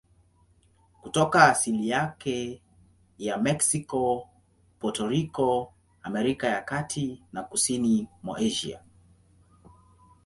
Kutoka asili yake ya Meksiko, Puerto Rico, Amerika ya Kati na kusini mwa Asia.